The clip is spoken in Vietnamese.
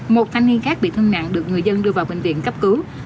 một thanh niên khác bị thương nặng được người dân đưa vào bệnh viện cấp cứu